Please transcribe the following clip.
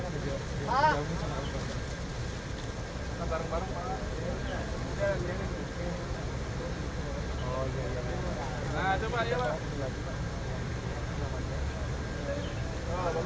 pemusnahan barang bukti narkoba